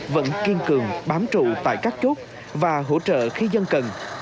vẫn kiên cường bám trụ tại các chốt và hỗ trợ khi dân cần